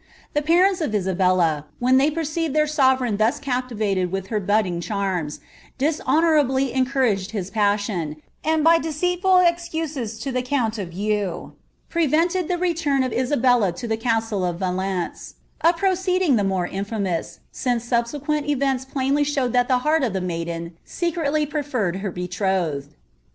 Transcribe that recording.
Tlie parents of Isabella, when ihey perceiveo their sovereign thus captivated with her budding charms, ilishoaouiaUy encouraged his passion, and by deceitful excuses to ihe count of Eo, prevented lite return of Isabella to the castle of Valence ; a proeeetjing the mure infamous, since subsequent events plainly showed thai tti* heart of the maiden secretly preferred her betrothed.